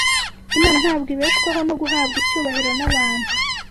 Imana ntabwo ibeshwaho no guhabwa icyubahiro n’abantu